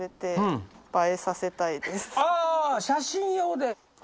あ写真用で。